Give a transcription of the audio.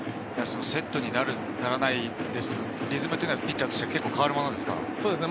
セットになる、ならない、リズムはピッチャーとしては変わるものですか？